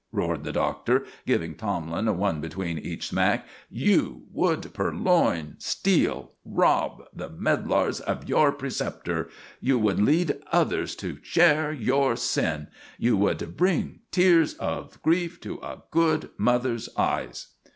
roared the Doctor, giving Tomlin one between each smack. "You would purloin steal rob the medlars of your preceptor. You would lead others to share your sin. You would bring tears of grief to a good mother's eyes!"